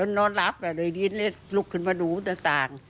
จนนอนรับแบบโดยยิ่งตกลุกขึ้นมาดูต่าง